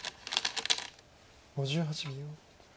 ５８秒。